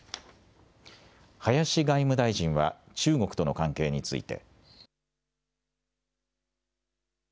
林外務大臣は、中国との関係について。